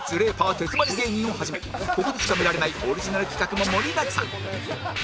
手詰まり芸人をはじめここでしか見られないオリジナル企画も盛りだくさん